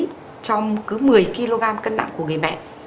cho một mươi kg cân nặng của người mẹ